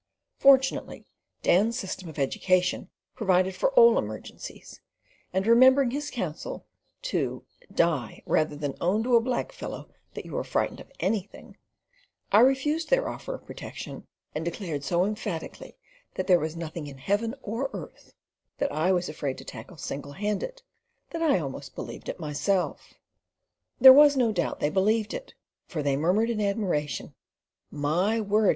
Fortunately, Dan's system of education provided for all emergencies; and remembering his counsel to "die rather than own to a black fellow that you were frightened of anything," I refused their offer of protection, and declared so emphatically that there was nothing in heaven or earth that I was afraid to tackle single handed, that I almost believed it myself. There was no doubt they believed it, for they murmured in admiration "My word!